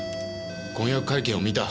婚約会見を見た。